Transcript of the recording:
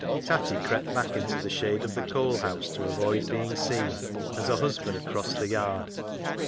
Tatty crept back into the shade of the coal house to avoid being seen as her husband crossed the yard.